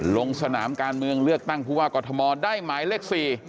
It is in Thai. ลงสนามการเมืองเลือกตั้งผู้ว่ากรทมได้หมายเลข๔